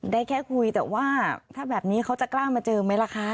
ได้แค่คุยแต่ว่าถ้าแบบนี้เขาจะกล้ามาเจอไหมล่ะคะ